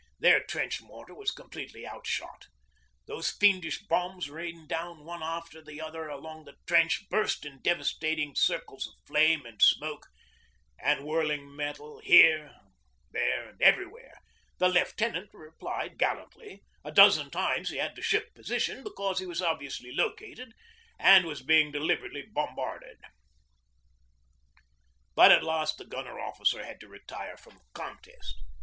Their trench mortar was completely out shot. Those fiendish bombs rained down one after the other along the trench, burst in devastating circles of flame and smoke and whirling metal here, there, and everywhere. The lieutenant replied gallantly. A dozen times he had to shift position, because he was obviously located, and was being deliberately bombarded. But at last the gunner officer had to retire from the contest.